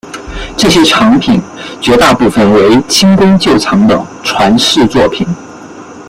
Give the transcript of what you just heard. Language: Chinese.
这些藏品绝大部分为清宫旧藏的传世作品。